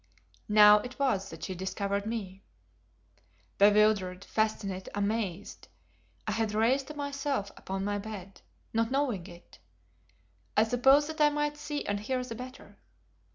Now it was that she discovered me. Bewildered, fascinated, amazed, I had raised myself upon my bed, not knowing it; I suppose that I might see and hear the better.